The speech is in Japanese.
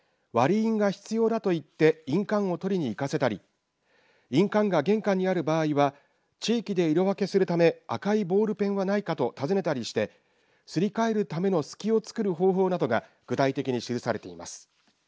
割り印が必要だと言って印鑑を取りに行かせたり印鑑が玄関にある場合は地域で色分けするため赤いボールペンはないかと尋ねたりしてすり替えるためのすきをつくる方法などが具体的に記されています。